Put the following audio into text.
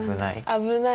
危ない。